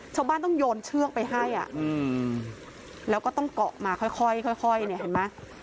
ชาวบ้านต้องโยนเชือกไปให้อ่ะอืมแล้วก็ต้องเกาะมาค่อยค่อยค่อยค่อยเนี่ยเห็นไหม